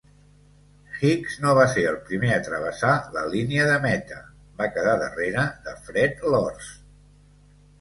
Hicks no va ser el primer a travessar la línia de meta, va quedar darrere de Fred Lorz.